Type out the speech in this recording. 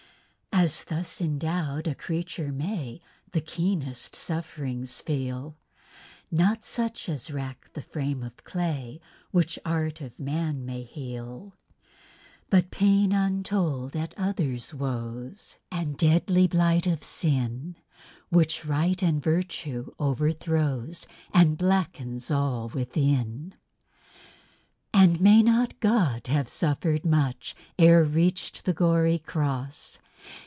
As thus endowed a creature may The keenest sufferings feel; Not such as rack the frame of clay, Which art of man may heal; But pain untold at others' woes, And deadly blight of sin, Which right and virtue overthrows, And blackens all within. And may not God have suffered much Ere reached the gory cross?